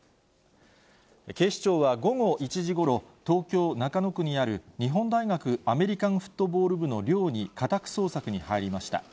警視庁は午後１時ごろ、東京・中野区にある日本大学アメリカンフットボール部の寮に家宅捜索に入りました。